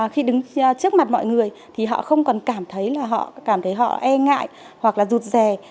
khi đứng trước mặt mọi người thì họ không còn cảm thấy họ e ngại hoặc là rụt rè